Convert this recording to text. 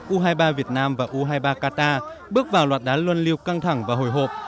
u hai mươi ba việt nam và u hai mươi ba qatar bước vào loạt đá luân lưu căng thẳng và hồi hộp